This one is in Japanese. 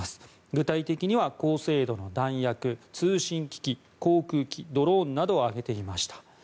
具体的には高精度の弾薬、通信機器航空機、ドローンなどを挙げていました。